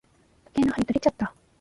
時計の針とれちゃった。